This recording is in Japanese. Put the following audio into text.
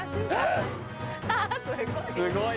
すごい。